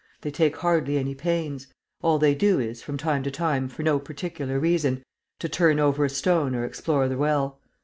They take hardly any pains. All they do is, from time to time, for no particular reason, to turn over a stone or explore the well.